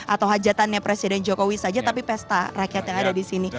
atau hajatannya presiden jokowi saja tapi pesta rakyat yang ada di sini